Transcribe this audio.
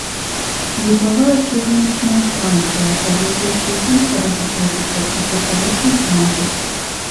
Вузлавая чыгуначная станцыя, ад якой чыгунка разыходзіцца ў чатырох напрамках.